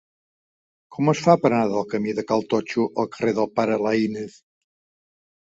Com es fa per anar del camí de Cal Totxo al carrer del Pare Laínez?